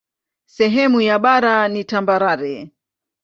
Sehemu ya bara ni tambarare.